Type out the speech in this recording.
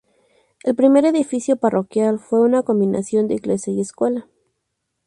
El primer edificio parroquial fue una combinación de iglesia y escuela.